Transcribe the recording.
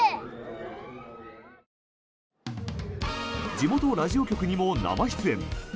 地元ラジオ局にも生出演。